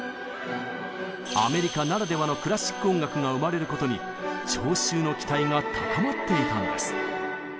アメリカならではのクラシック音楽が生まれることに聴衆の期待が高まっていたんです。